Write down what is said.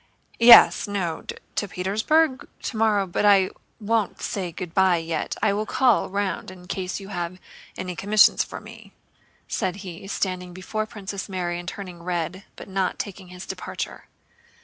"Yes... no... to Petersburg? Tomorrow—but I won't say good by yet. I will call round in case you have any commissions for me," said he, standing before Princess Mary and turning red, but not taking his departure.